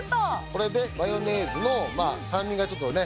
これでマヨネーズのまあ酸味がちょっとね